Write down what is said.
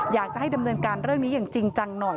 อยากจะให้ดำเนินการเรื่องนี้อย่างจริงจังหน่อย